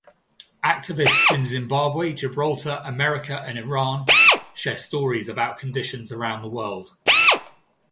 Activists in Zimbabwe, Gibraltar, America and Iran shared stories about conditions around the world.